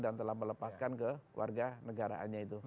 dan telah melepaskan ke warga negaraannya itu